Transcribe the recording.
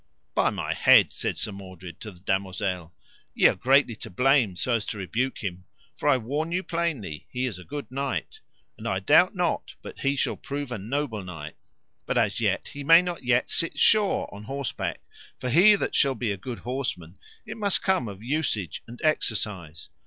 By my head, said Sir Mordred to the damosel, ye are greatly to blame so to rebuke him, for I warn you plainly he is a good knight, and I doubt not but he shall prove a noble knight; but as yet he may not yet sit sure on horseback, for he that shall be a good horseman it must come of usage and exercise.